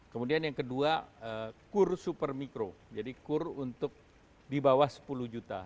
kemudian yang kedua kur super mikro jadi kur untuk di bawah sepuluh juta